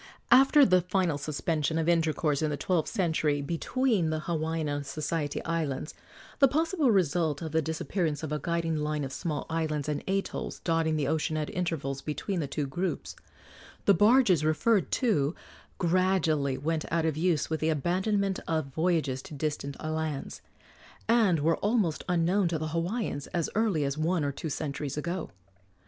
After the final suspension of intercourse, in the twelfth century, between the Hawaiian and Society Islands the possible result of the disappearance of a guiding line of small islands and atolls dotting the ocean at intervals between the two groups the barges referred to gradually went out of use with the abandonment of voyages to distant lands, and were almost unknown to the Hawaiians as early as one or two centuries ago.